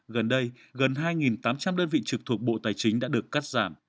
gần đây gần hai tám trăm linh đơn vị trực thuộc bộ tài chính đã được cắt giảm